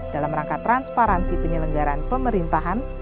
dalam rangka transparansi penyelenggaran pemerintahan